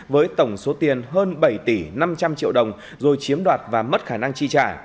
với tổng số tiền hơn bảy tỷ năm trăm linh triệu đồng rồi chiếm đoạt và mất khả năng chi trả